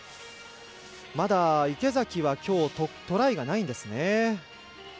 まだ池崎はきょう、トライがないんですね。